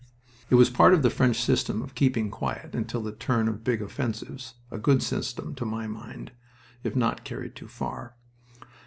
It was part of the French system of "keeping quiet" until the turn of big offensives; a good system, to my mind, if not carried too far.